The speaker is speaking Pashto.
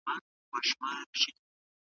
کرني اقتصاد ته لویه ګټه رسولي وه.